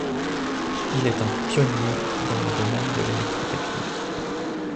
Il est un pionnier dans le domaine de l'électrotechnique.